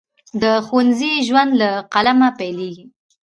د ښوونځي ژوند له قلمه پیلیږي.